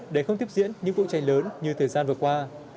để không tiếp diễn những vụ cháy lớn như thời gian vừa qua